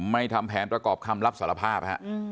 ทำแผนประกอบคำรับสารภาพ